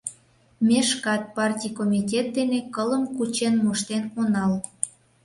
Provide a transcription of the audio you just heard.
Ме шкат партий комитет дене кылым кучен моштен онал.